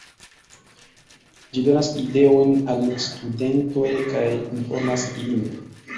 Ĝi donas ideojn al studentoj kaj informas ilin.